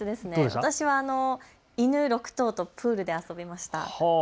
私は犬６頭とプールで遊びました。